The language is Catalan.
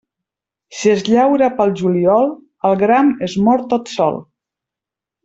Si es llaura pel juliol, el gram es mor tot sol.